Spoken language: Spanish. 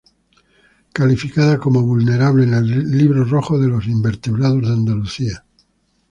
Calificada como vulnerable en el Libro Rojo de los Invertebrados de Andalucía.